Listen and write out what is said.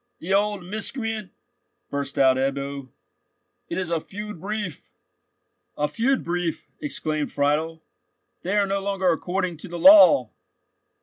"The old miscreant!" burst out Ebbo; "it is a feud brief." "A feud brief!" exclaimed Friedel; "they are no longer according to the law."